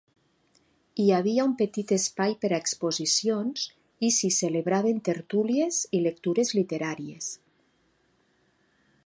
Hi havia un petit espai per a exposicions i s'hi celebraven tertúlies i lectures literàries.